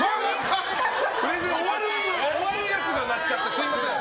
終わるやつが鳴っちゃってすみません！